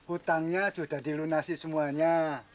utangnya sudah dilunasi semuanya